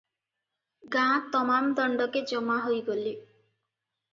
ଗାଁ ତମାମ୍ ଦଣ୍ଡକେ ଜମା ହୋଇଗଲେ ।